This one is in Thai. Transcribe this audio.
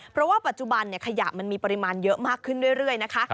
เพราะว่าปัจจุบันขยะมันมีปริมาณเยอะมากขึ้นเรื่อยนะคะ